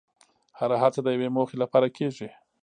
هره هڅه د یوې موخې لپاره کېږي.